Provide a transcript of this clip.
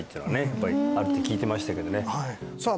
やっぱりあるって聞いてましたけどねさあ